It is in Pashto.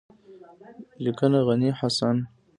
لیکنه: غني حسن